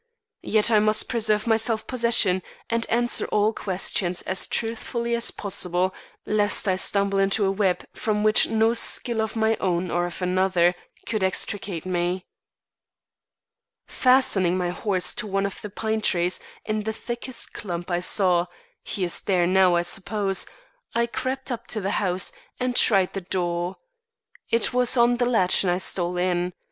Yet I must preserve my self possession and answer all questions as truthfully as possible lest I stumble into a web from which no skill of my own or of another could extricate me. "Fastening my horse to one of the pine trees in the thickest clump I saw he is there now, I suppose I crept up to the house, and tried the door. It was on the latch and I stole in.